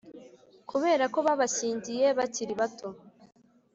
kubera ko babashyingiye bakiri bato